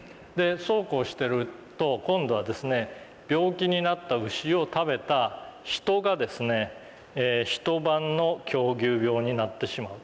そうこうしてると今度は病気になった牛を食べた「人」が人版の狂牛病になってしまう。